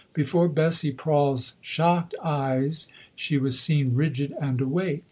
Before Bessie Prawle's shocked eyes she was seen rigid and awake.